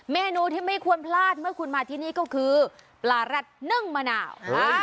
เมนูที่ไม่ควรพลาดเมื่อคุณมาที่นี่ก็คือปลารัดนึ่งมะนาว